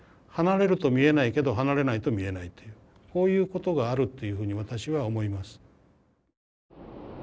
離れると見えないけど離れないと見えないというこういうことがあるっていうふうに私は思います。